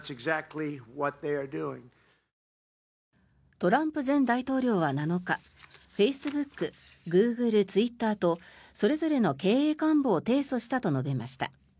トランプ前大統領は７日フェイスブック、グーグルツイッターとそれぞれの経営幹部を提訴したと述べました。